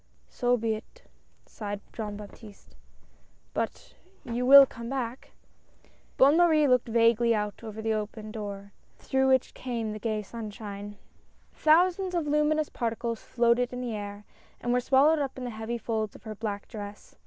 "So be it," sighed Jean Baptiste. "But — you will come back ?" Bonne Marie looked vaguely out through the open door, through which came the gay sunshine. Thousands of luminous particles floated in the air and were swallowed up in the heavy folds of her black dress.